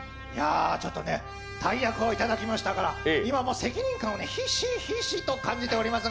ちょっとね、大役をいただきましたから、今、責任感をひしひしと感じております。